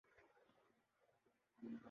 مقدمہ گزر ہی جائے گا۔